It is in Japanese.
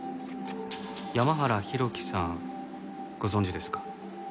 山原浩喜さんご存じですか？